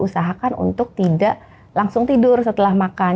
usahakan untuk tidak langsung tidur setelah makan